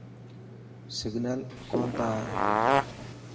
سگنل ڪون تا آئي.